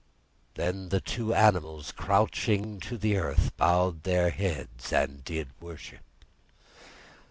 Then the two animals, crouching to the earth, bowed their heads and did worship.